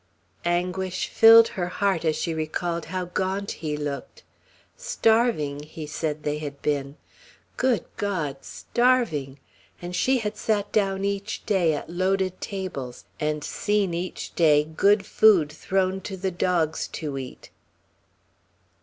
Anguish filled her heart as she recalled how gaunt he looked. "Starving," he said they had been. Good God! Starving! And she had sat down each day at loaded tables, and seen, each day, good food thrown to the dogs to eat.